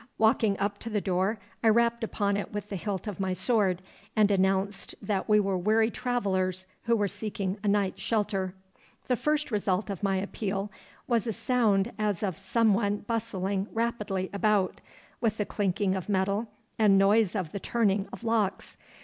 Walking up to the door, I rapped upon it with the hilt of my sword and announced that we were weary travellers who were seeking a night's shelter. The first result of my appeal was a sound as of some one bustling rapidly about, with the clinking of metal and noise of the turning of locks.